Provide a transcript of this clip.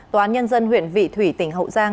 tòa án nhân dân huyện vị thủy tỉnh hậu giang